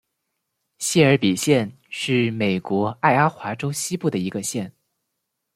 谢尔比县是美国爱阿华州西部的一个县。